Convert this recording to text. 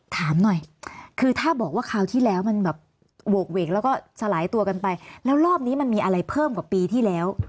ถามหน่อยคือถ้าบอกว่าคราวที่แล้วมันแบบโหกเวกแล้วก็สลายตัวกันไปแล้วรอบนี้มันมีอะไรเพิ่มกว่าปีที่แล้ว